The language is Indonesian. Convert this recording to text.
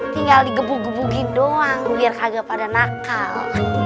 tinggal digebu gebukin doang biar kagak pada nakal